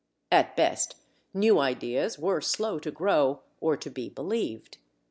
At best, new ideas were slow to grow or to be believed.